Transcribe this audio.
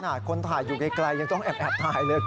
คนถ่ายอยู่ไกลยังต้องแอบถ่ายเลย